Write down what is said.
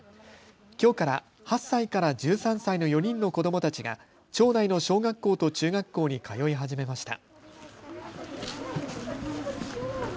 きょうから８歳から１３歳の４人の子どもたちが町内の小学校と中学校に通い始めました。